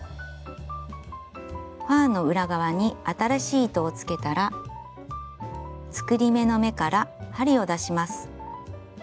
ファーの裏側に新しい糸をつけたら作り目の目から針を出します。